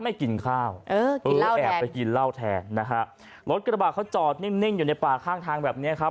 ไม่กินข้าวเออแอบไปกินเหล้าแทนนะฮะรถกระบาดเขาจอดนิ่งนิ่งอยู่ในป่าข้างทางแบบเนี้ยครับ